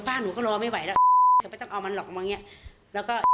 บ้านหนูก็รอไม่ไหวแล้วเธอไม่ต้องเอามันหรอกมาอย่างเงี้ยแล้วก็